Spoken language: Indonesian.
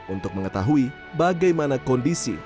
untuk mengetahui bagaimana kondisi